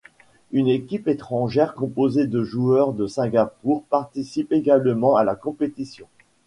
Une équipe étrangère, composée de joueurs de Singapour, participe également à la compétition.